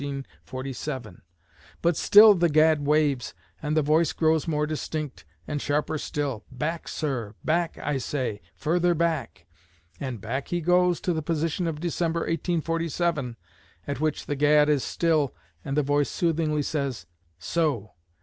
But still the gad waves, and the voice grows more distinct and sharper still, 'Back, sir! Back, I say! Further back!' And back he goes to the position of December, 1847, at which the gad is still and the voice soothingly says, 'So!